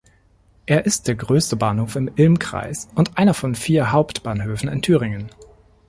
Er ist der größte Bahnhof im Ilm-Kreis und einer von vier Hauptbahnhöfen in Thüringen.